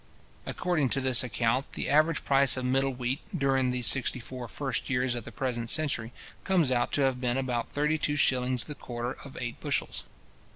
According to this account, the average price of middle wheat, during these sixty four first years of the present century, comes out to have been about thirty two shillings the quarter of eight bushels.